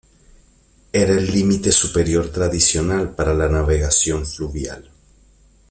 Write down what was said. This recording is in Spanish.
Era el límite superior tradicional para la navegación fluvial.